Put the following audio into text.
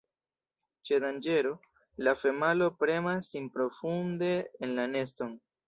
Ĉe danĝero, la femalo premas sin profunde en la neston.